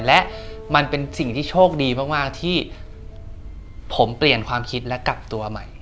และมันเป็นสิ่งที่โชคดีมากที่ผมเปลี่ยนความคิดและกลับตัวใหม่